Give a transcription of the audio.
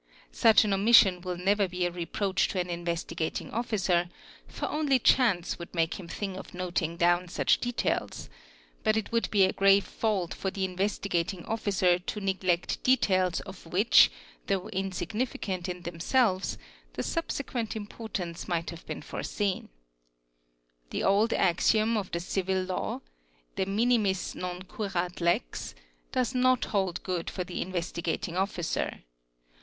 Such an omission will never be a reproach to an Investigating Officer, for only chance would make him think of noting down such details ; but it would be a grave fault for the Investigating Officer to neglect details of which, though insignificant in themselves, the subsequent importance might have been foreseen, The old axiom of the Civil Law 'De minimis non curat lex" does not hold good for the Investigating Officer.